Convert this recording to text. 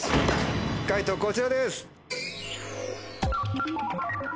解答こちらです。